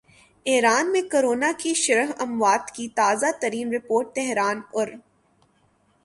ایران میں کرونا کی شرح اموات کی تازہ ترین رپورٹ تہران ارن